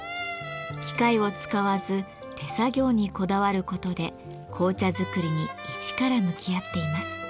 機械を使わず手作業にこだわることで紅茶作りに一から向き合っています。